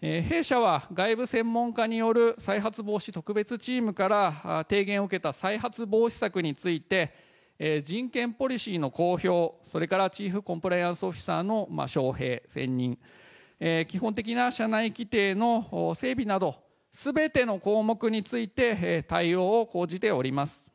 弊社は外部専門家による再発防止特別チームから提言を受けた再発防止策について、人権ポリシーの公表、それからチーフコンプライアンスオフィサーの招へい、選任、基本的な車内規定の整備など、すべての項目について、対応を講じております。